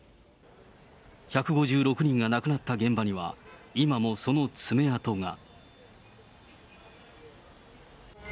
１５６人が亡くなった現場には、今もその爪痕が。